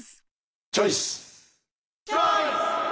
チョイス！